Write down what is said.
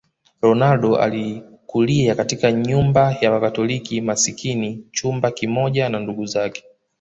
Ronaldo alikulia katika nyumba ya Wakatoliki masikini chumba kimoja na ndugu zake